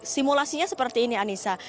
simulasinya seperti ini anissa